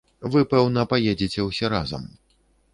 Вы, пэўна, паедзеце ўсе разам.